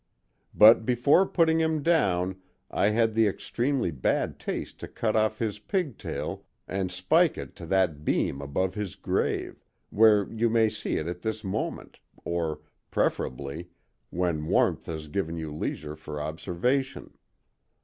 But before putting him down I had the extremely bad taste to cut off his pigtail and spike it to that beam above his grave, where you may see it at this moment, or, preferably, when warmth has given you leisure for observation.